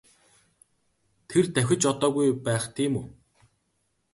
Тэр давхиж одоогүй байх тийм үү?